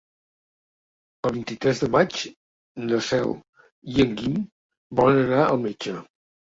El vint-i-tres de maig na Cel i en Guim volen anar al metge.